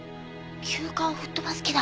休暇を吹っ飛ばす気だ！